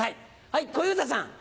はい小遊三さん。